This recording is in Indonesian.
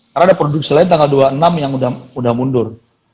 karena ada produksi lain tanggal dua puluh enam yang udah mundur